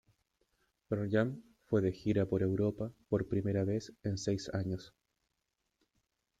Pearl Jam fue de gira por Europa por primera vez en seis años.